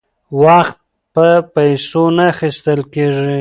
وخت په پیسو نه اخیستل کیږي.